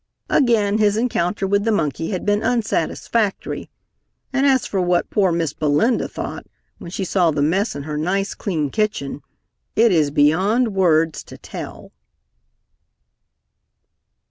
Again his encounter with the monkey had been unsatisfactory, and as for what poor Miss Belinda thought when she saw the mess in her nice clean kitchen it is beyond words to tell.